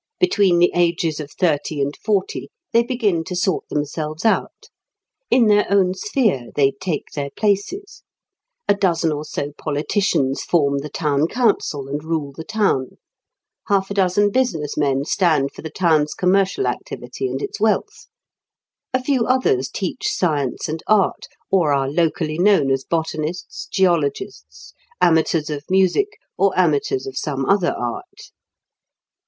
Between the ages of thirty and forty they begin to sort themselves out. In their own sphere they take their places. A dozen or so politicians form the town council and rule the town. Half a dozen business men stand for the town's commercial activity and its wealth. A few others teach science and art, or are locally known as botanists, geologists, amateurs of music, or amateurs of some other art.